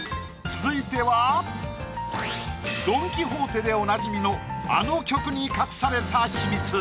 続いてはドン・キホーテでおなじみのあの曲に隠された秘密！